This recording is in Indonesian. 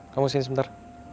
kamu sini sebentar